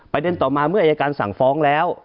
ประเด็นต่อมาเมื่ออิการสั่งฟ้องแล้ว